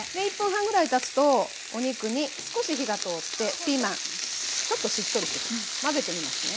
１分半ぐらいたつとお肉に少し火が通ってピーマンちょっとしっとりしてきます。